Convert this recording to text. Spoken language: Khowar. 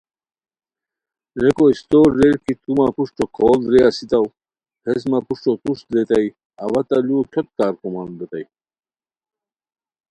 ریکو استور ریر کی تو مہ پروشٹو کوڑ درے اسیتاؤ، ہیس مہ پروشٹٔو توݰ دریتائے اوا تہ لوؤ کھیوت کارکومان ریتائے